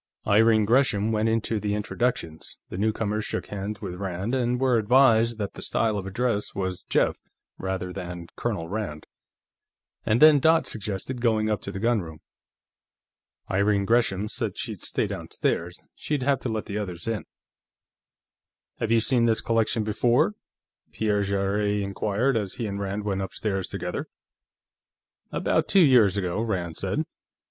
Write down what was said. Irene Gresham went into the introductions, the newcomers shook hands with Rand and were advised that the style of address was "Jeff," rather than "Colonel Rand," and then Dot suggested going up to the gunroom. Irene Gresham said she'd stay downstairs; she'd have to let the others in. "Have you seen this collection before?" Pierre Jarrett inquired as he and Rand went upstairs together. "About two years ago," Rand said.